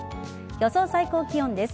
予想最高気温です。